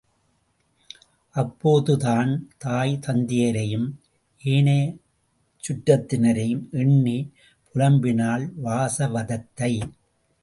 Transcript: அப்போதுதான் தாய் தந்தையரையும் ஏனைச் சுற்றத்தினரையும் எண்ணிப் புலம்பினாள் வாசவதத்தை.